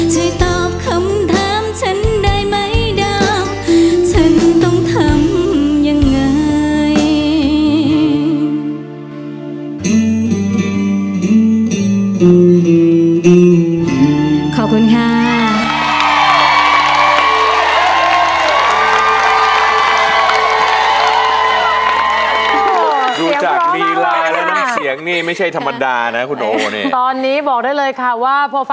ช่วยตอบคำถามฉันได้ไหมดาว